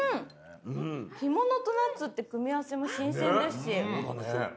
干物とナッツって組み合わせも新鮮ですし。